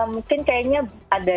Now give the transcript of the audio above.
mungkin kayaknya ada